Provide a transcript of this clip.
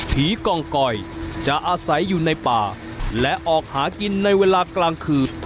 กองกอยจะอาศัยอยู่ในป่าและออกหากินในเวลากลางคืน